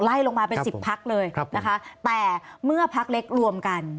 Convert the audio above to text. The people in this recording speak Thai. ไล่ลงมาเป็นสิบพักเลยนะคะแต่เมื่อพักเล็กรวมกัน